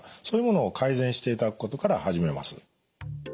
そういうものを改善していただくことから始めます。